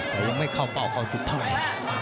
แต่ยังไม่เข้าเป้าเข้าจุดเท่าไหร่